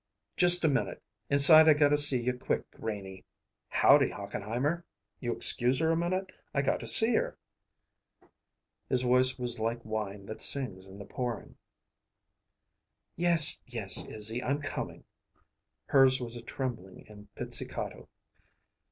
"Just a minute. Inside I gotta see you quick, Renie. Howdy, Hochenheimer? You excuse her a minute. I got to see her." His voice was like wine that sings in the pouring. "Yes, yes, Izzy; I'm coming." Hers was trembling and pizzicato.